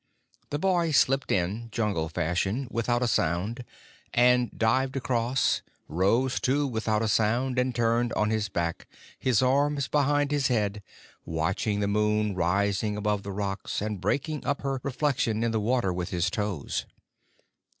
The boy slipped in, Jungle fashion, without a sound, and dived across; rose, too, without a sound, and turned on his back, his arms behind his head, watching the moon rising above the rocks, and breaking up her reflection in the water with his toes.